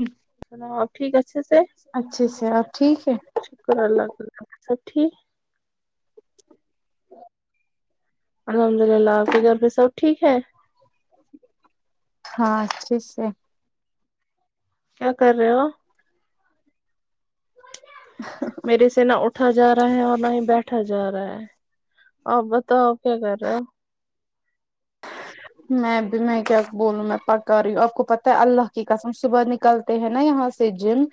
ہی ہاں ٹھیک ہے اچھا سر اور ٹھیک ہے سٹھی الحمد للہ آپ کے گھر پہ سب ٹھیک ہے ہاں اچھے سے کیا کر رہے ہو میرریے سے نا اٹھ اٹھا جا رہا ہے اور نہ ہی بیٹھا جا رہا ہے آپ بتاؤ کیا کر رہے ہو میں میں کیا بولوں میں پ ک ی آپ کو پتہ ہے اللہ کی قسم صبح نکلتے ہیں نا یہاں سے جم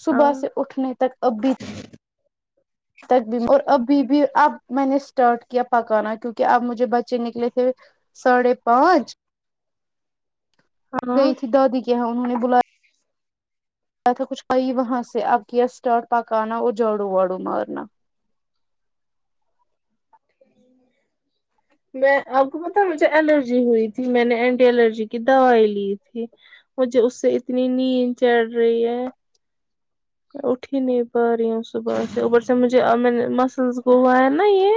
صبح سے ہاں اٹھنے تک اب بھی ت اور ابھی بھی اب میں نے اسٹارٹ کیا پکانا کیونکہ اب مجھے بچے نکلے تھے ساڑھے پانچ گئی ہاں تھی دو دی کے ہم انہوں نے بلایا تھا کچھ کئی وہاں سے اب کیا اسٹارٹ پکانا اور جاڑو واڑو مارنا میں آپ کو پتا مجھے الرجی ہوئی تھی میں نے اینٹی الرجی کی دوائی لی تھی مجھے اس سے اتنی نیند چڑھ رہی ہے اٹھی نہیں پا رہی ہوں صبح سے اوپر سے مجھے م سنس گووا ہے نا یہ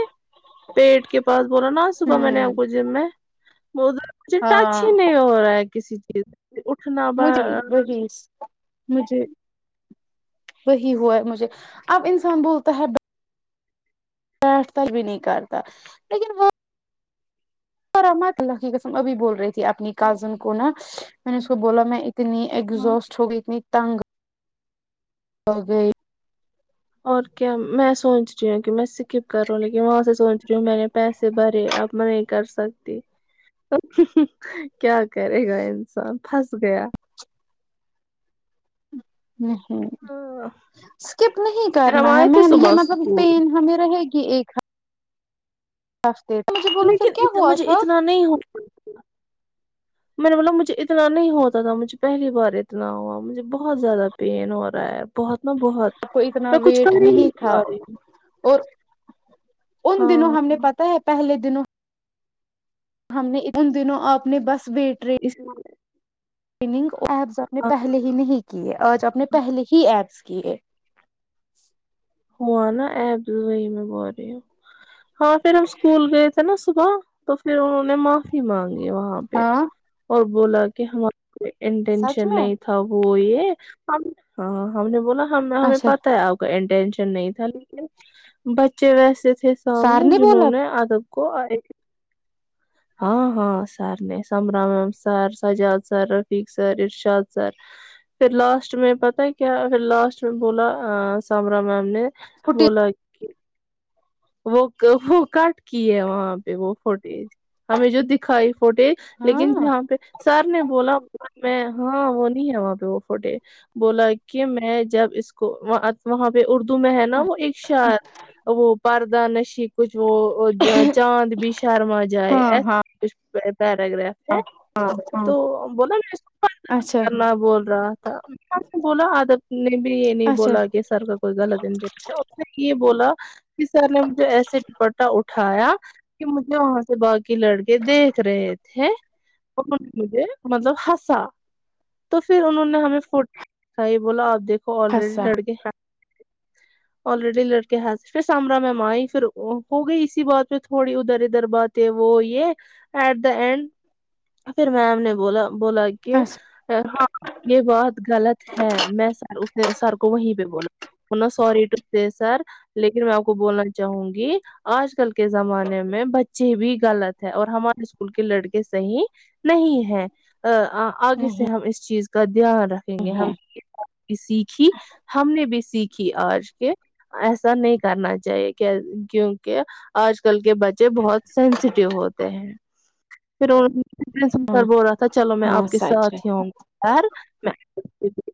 پیٹ کے پاس بولا نا آج صبح میں نے ہوں آپ کو جم میں م مجے تچ ہی نہیں ہو رہا ہے کسی چیز سے اٹھنا ب مریی مرییس مجھے وہی ہوا مجھے اب انسان بولتا ہے بیٹ تل بھی نہیں کرتا لیکن وہ اورم اللہ کی قسم اب بول رہی تھی اپنی کازن کو نا میں نے اس کو بولا میں ایک اتنی ہاں ایگزاسٹ ہو گئی اتنی تنگ ہو گئی اور کیا میں سوچ رہی ہوں کہ میں سکپ کر رہوں لیکن وہاں سے سوچ رہی ہوں میں نے پیسے بھرے اب میں نہیں کر سکتی کیا کرے گا انسان پھنس گیا نہیں پھر اسکپ نہیں ہم کرنا ہے آئے تھے میں نے یہ صبح مطلب اسکول پین ہمیں رہے گی کی ایک ہ اچ لیکن مجھے اتنا نہیں ہونا پڑ میں نے بولا مجھے اتنا نہیں ہوتا تھا مجھے پہلی بار اتنا ہوا مجھے بہت زیادہ پین ہو رہا ہے بہت نا بہت آ کو اتنا میں کچھ ویٹ کر ہی نہیں تھا پا رہی اور ان دنوں ہاں ہم نے پتا ہے پہلے د دنوں ہم نے ان دنوں اپنے بس اسشمے نگ ایپس آپ نے پہلے ہی نہیں کیے آج آپ نے پہل ہی ایپس کہ ہوا نا ایب وہی میں بول رہی ہوں ہاں پھر ہم اسکول گئے تھے نا صبح تو پھر انہوں نے معافی مانگی وہاں پہ ہاں اور بولا کہ ہمار کو سچ انٹینشن میں نہیں تھا وہ یہ ہم ہاں ہم نے بولا ہم ہمیں اچھا پتہ ہے آپ کا انٹینش نہیں تھا لیکن بچے ویسے تھے سار سامنے جنہوں بولا نے ادب کو ہاں ہاں سر نے سمبرامیم سر سجاد سر رفیق سر ارشاد سر پھر لاسٹ میں پتا کیا پھر لاسٹ میں بولا سمبرامم ان فٹی [unintelligible] بولا وہ وہ کٹ کی ہے وہاں پہ وہ فوٹیج ہمیں جو دکھائی فوٹیج لیکن ہاں یہاں پہ سر نے بولا میں ہاں وہ نہیں ہے وہاں پہ وہ فوٹے بولا کہ میں جب اس کو وہاں پہ اردو میں ہے نا وہ ایک شعر وہ پردہ نشی کچھ جو چاند بھی شرما ہاں ہاں جائےس پیراگراف ہے ہاں ہاں تو بولا میں اس اچھا کرنا بول رہا تھا نے بولا آد جی [unintelligible] بھی یہ نہیں اچھا بولا کہ سر کا کوئی گل دین ج اے کی یہ بولا کہ سر نے مجھے ایسے دپٹہ اٹھ اٹھایا کہ مجھے وہاں سے با لڑکے دیکھ رہے تھے انہوں نے مجھے مطلب ہنسا تو پھر انہوں نے ہمیں فوٹو دائی بولا آپ دیکھ یک آلریڈی خاصا لڑ گ آلریڈی لڑکے حاضر پھر سامرا میںم آئی پھر ہو گئی اسی بات پہ تھوڑی ادھر ادھر باتیں وہ یہ ایٹ دا اینڈ پھر میم نے بولا بولا کہ اچھا ہاں یہ بات غلط ہے میں سر سر کو وہیں پہ بولاو سی ٹو سر لیکن میں آپ کو بولنا چاہوں گی آج کل کے زمانے میں بچے بھی غلط ہے اور ہمارے اسکول کے لڑکے صحیح نہیں ہے ا آگے سے نہیں ہم اس چیز کا دھیان رکھیں گے ہم ہے نے سیکھی ہم نے بھی سیکھی آج کے ایسا نہیں کرنا چاہیے کہ کیونکہ آج کل کے بچے بہت سینسٹیو ہوتے ہیں پھر اور س سر بول رہا تھا چلو میں ہاں آپ کے سچ ہے ساتھ ہی آؤں گا خیر میں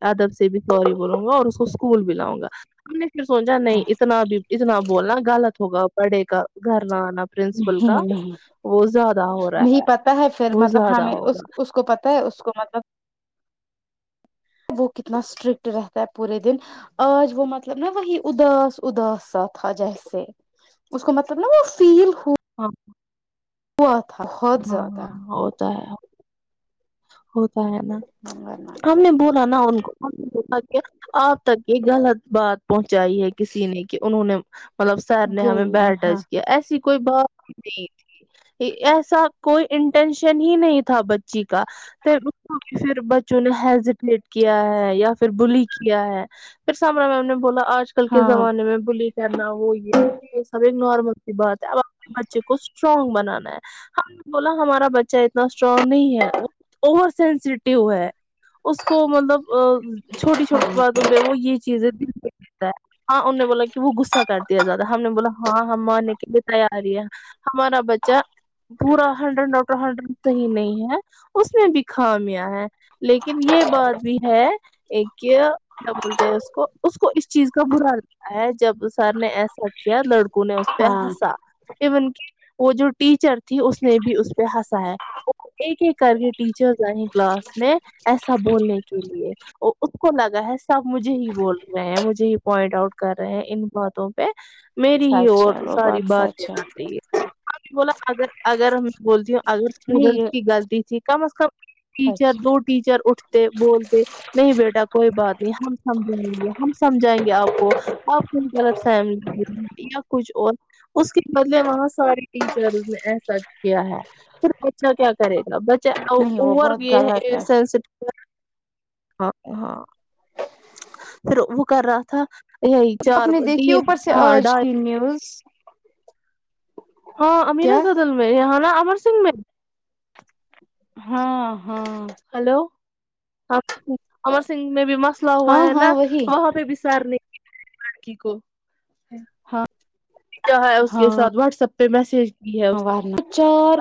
ادب سے بھی سوری بولوں گا اور اس کو اسکول بھی لاؤں گا ہم نے پھر سمجا نہیں اتنا بھی اتنا بولنا غلط ہوگا پڑ کاا گ انا پرنسپل نہیں کا نہیں وہ زیادہ ہو رہا نہیں ہے پتا پھر وہ مطلب زیادہ ہمیں اس ہوگا اس کو پتہ ہے اس کو مطلب وہ کتنا اسٹرکٹ رہتا ہے پورے دن آج وہ مطلب نا وہی اداس اداسا تھا جیسے اس کو مطلب نا وہ فیل ہو ہاں [unintelligible] ہاں زیادہ ہو تو ہے ہوتا ہے نا ورنہ ہم کیا نے بولا نا ان کو ہم نے بولا کہ آپ تک یہ غلط بات پہنچائی ہے کسی نے کہ انہوں نے مطلب سر نے گئی ہمیں نہیں بیٹ ہاں ٹچ کیا ایسی کوئی بات بھی نہیں تھی اے کوئی انٹینشن ہی نہیں تھا بچی کا پھر اس کو بھی پھر بچوں نے ہیزیٹیٹ کیا ہے یا پھر بلی کیا ہے پھرسامرا میم نے بولا آج کل کے ہاں زمانے میں بلی کرنا وہ بھی یہ سب نارمل سی بات ہے اب اپنے بچے کو اسٹرانگ بنانا ہے ہم بولا ہمارا بچہ اتنا اسٹرانگ نہیں ہے وہ اوور سینسٹیو ہے اس کو مطلب چھوٹی چھوٹی ہاں باتوں پہ وہ یہ چیزیں [unintelligible] ہاں ان نے بولاکیوں غصہ کرتی ہے زیادہ ہم نے بولا ہاں ہم مان لیتے ہے کے لیے تیاری ہے ہمارا بچہ پورا ہنڈریڈ ڈاکٹر ہنڈریڈ صحیح نہیں ہے اس میں بھی خامیاں ہے لیکن یہ بات بھی ہے ایک کہ کیا بولتے ہیں اس کو اس کو اس چیز کا برا لگتا ہے جب سر نے ایسا کیا لڑک تونے اس پہ ہاں ہنسا اے ون وہ جو ٹیچر تھی اس نے بھی اس پہ ہنسا ہے ایک ایک کر کے ٹیچرز آئے کلاس میں ایسا بولنے کے لیے اس کو لگا ہے سب مجھے ہی بول رہے ہیں مجھے ہی پوائنٹ آؤٹ کر رہے ہیں ان باتوں پہ میری ہی سچ اور ہے وہ ساری بات ہے سچ کر رہی ہے بلا اگر اگر ہم بولتی ہو اگر نہیں اسٹوڈینٹس کی غلطی تھی کم از کم ٹیچر اچھا دو ٹیچر اٹھتے بولتے نہیں بیٹا کوئی بات نہیں ہم سمجھائیں گے ہم سمجھائیں گے آپ کو آپ کوئی غلط فہمی یا کچھ اور اس کے بدلے وہاں سارے ٹیچر نے ایسے سچ کیا ہے پھر کچھ کیا کرے گا نہیں وہ بہت غلط ہے بچہ [unintelligible] ہاں ہاں پھر وہ کر رہا تھا [unintelligible] یہی آپ چار نے دیکھی تین اوپر سے ہار آج ڈال کی نیوز ہاں امیرا کیا کے گھر میں ہے نا آپ واشنگ میں [unintelligible] ہاں [unintelligible] ہاں [unintelligible] سگھ میں بھی مسئلہ ہوا ہاں ہے ہاں نا وہی وہاں پہ بھی سارنے لڑکی کو [unintelligible] ہاں کیا ہے اس کے ہاں ساتھ واٹسپ [unintelligible] [unintelligible] چار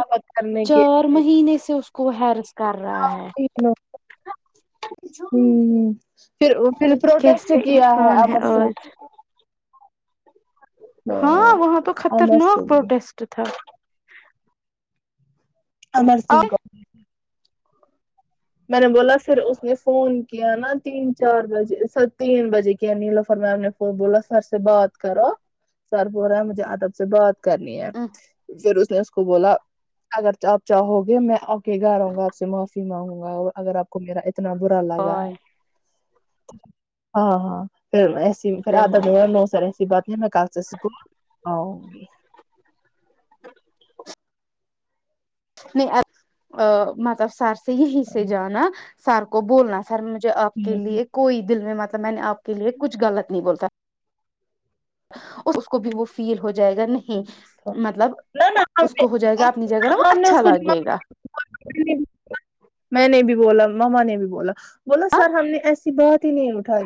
کے چار لیے مہینے سے اس کو ہر [unintelligible] [unintelligible] پھر پھر پروٹیسٹ کیسے کیا ہے انسان امر سنگھ آج ہاں وہاں تو امر خطرناک سنگھ پروٹیسٹ تھا امر سنگھ کو میں نے بولا پھر اس نے فون کیا نا تین چار بجے سر تین بجے کیا نیلفر میم نے ف بولا سر سے بات کرو سر بول رہے ہے مجھے ادب سے بات کرنی ہے پھر اس کو بولا اگر آپ چاہو گے میں گا ہوںا آپ سے ماف جی اور اگر آپ کو میرا اتنا برا لگا ہے ہاں ہاں پھر سھر آدا نو نو سارے بت یہ میں کل سے اسکول آؤں گی نہیں ماب سارس یہیں سے جانا سار کو بولنا سر مجھے آپ کے لیے کوئی دل میں مت میں نے آپ کے لیے کچھ غط نہیں بولتا اور اس کو بھی وہ فیل ہو جائے گا نہیں ہوں مطلب نہ نہ ہم اس نے کو ہو جائے گا اپنی جگہ وہ ہم اچا نے میں نہیں بھی بولا ماما نے بھی بولا بولا سر ہم نے ایسی بات ہی نہیں ا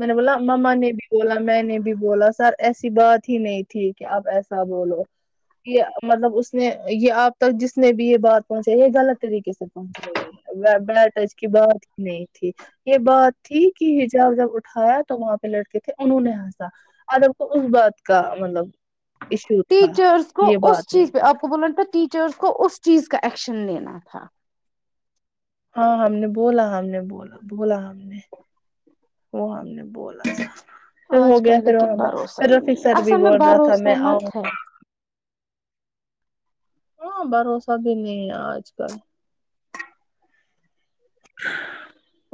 م نے بولا مما نے بھی بولا میں نے بھی بولا سر ایسی بات ہی نہیں تھی کہ اب ایسا بولو یہ مطلب اس نے یہ آپ تک جس نے بھی یہ بات پہنچائی یہ غلط طریقے سے پہنچ گئی بڑا ٹچ کی بات ہی نہیں تھی یہ بات تھی کہ حجاب جب اٹھایا تو وہاں پہ لڑکے تھے انہوں نے ہنسا ادب کو اس بات کا مطلب ایشو تھا ٹیچرس کو یہ اس بات نہیں چیز پہ تھی آپ کو بولانا ن تھا ٹیچر ر کو اس چیز کا ایکشن لینا تھا ہاں ہم نے بولا ہم نے بولا بولا ہم نے وہ ہم نے بولا پھر آج ہوگیا کل پھر لیکن وہاں پہ بھروسہ پھر ہی رفق نہیں ہے سر بھی اصل میں بول رہا تھا میں بھروسہ مت آؤں ہے ہاں بھروسہ بھی نہیں ہے آج کل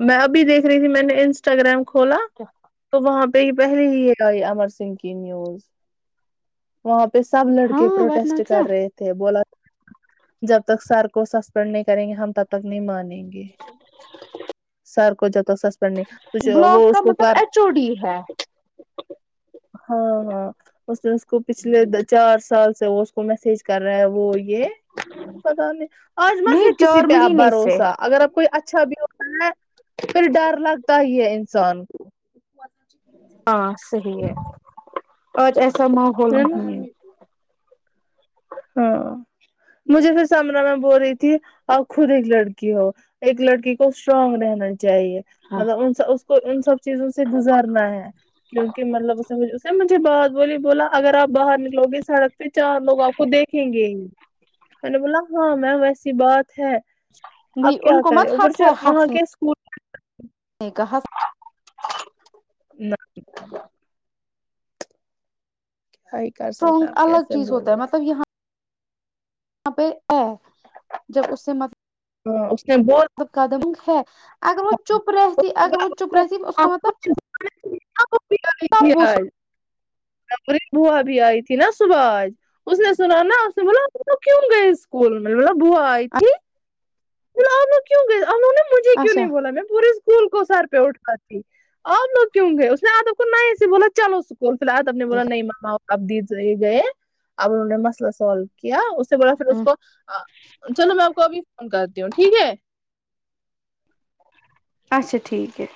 میں ابھی دیکھ رہی تھی میں نے انسٹاگرام کھولا کیا؟ تو وہاں پہ تو یہ پہلے ہی آ امر سنگھ کی نیوز وہاں پ پہ سب لڑکے ہاں ورنہ پروٹیسٹ کیا کر رہے تھے بولا جب تک سر کو سسپینڈ نہیں کریں گے ہم تب تک نہیں مانیں گے سر کو جب ت س کرنے تو جو وہ بلاک اس کا کو مطلب کر ایچ او ڈی ہے ہاں ہاں اس اس کو پچھلے چار سال سے وہ اس کو میسج کر رہا وہ یہ پت نہیں آج مت ہے نہیں کسی چار پہ آپ مہینے سے بھروسہ اگر آپ کوئی اچھا چھب ہو کا پھر ڈر لگتا ہی ہے انسان کو ہاں صحی ہے اور اھ کا ماحول نہیں ہے ہاں مجھے پھر سمرا میں بو رہی تھی اور خود ایک لڑکی ہو ایک لڑکی کو اسٹرانگ رہنا چاہیے ہاں مطلب ان سب چیزوں سے گزارنا ہے کیونکہ مطلب اس بات بولی بولا اگر آپ باہر نک لوگے سڑک پہ چار لوگ آپ گ میں نے بولا ہاں میم ایسی بات ہے آپ نہیں کیا ان کو کریں مت اوپر حق سے ہے وہاں کے اسکول کہاں نہیں [unintelligible] کیا ہی کر سکتے اسٹرانگ آپ الگ کیسے بولیں گے وہاں پہ ہے جب اس سے مت ہاں قدم ہے اگر وہ چپ رہتی اگر وہ چپ رہتی اس کو مطلب [inaudible] تھی تب وہ حل [unintelligible] پوری بوا بھی آئی تھی نا سباش اس نے سنا نا آپ نے بولا کیوں گئے اسکول میں ب بوا آئی تھی [unintelligible] بولا آپ کیوں گیا انہوں مجھے کیوں نہیں اچھا بولا میں پورے اسکول کو کو سر پہ اٹھ کر ت آپ لوگ کیوں گئے اس نے آدو کو نہیں ایسے بولا چلو اس کو کو فی الحات اپ نے برا نہیں مننا ہو [unintelligible] اب د گئے اب انہوں نے مسئلہ سالو کیا سے بو پھر اس کو چلو میں آپ کو ابھی فون کروں ٹھیک ہے اچھا ٹھیک ہے